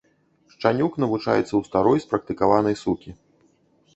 Шчанюк навучаецца ў старой спрактыкаванай сукі.